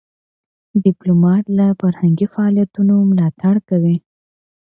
ډيپلومات له فرهنګي فعالیتونو ملاتړ کوي.